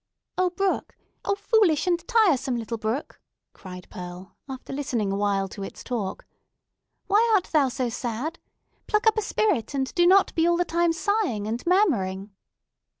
"Oh, brook! Oh, foolish and tiresome little brook!" cried Pearl, after listening awhile to its talk, "Why art thou so sad? Pluck up a spirit, and do not be all the time sighing and murmuring!"